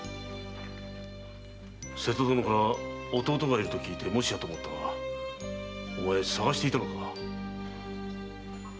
瀬戸殿から弟がいると聞いてもしやと思ったがお前捜していたのか？